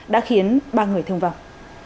đã khiến ba người thương vong